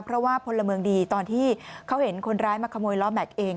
เพราะว่าพลเมืองดีตอนที่เขาเห็นคนร้ายมาขโมยล้อแม็กซ์เอง